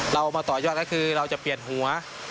เราเอามาต่อยกว่าแล้วคือเราจะเปลี่ยนหัว